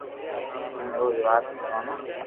امي اوري ر وات مونو